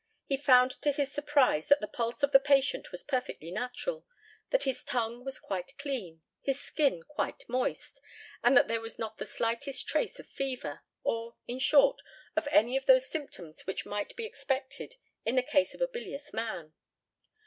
He found to his surprise that the pulse of the patient was perfectly natural that his tongue was quite clean, his skin quite moist, and that there was not the slightest trace of fever, or, in short, of any of those symptoms which might be expected in the case of a bilious man.